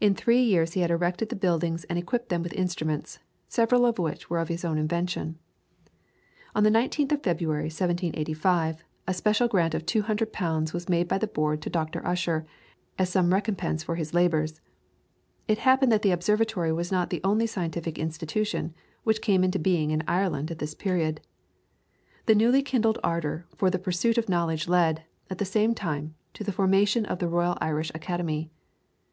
In three years he had erected the buildings and equipped them with instruments, several of which were of his own invention. On the 19th of February, 1785, a special grant of 200 pounds was made by the Board to Dr. Ussher as some recompense for his labours. It happened that the observatory was not the only scientific institution which came into being in Ireland at this period; the newly kindled ardour for the pursuit of knowledge led, at the same time, to the foundation of the Royal Irish Academy.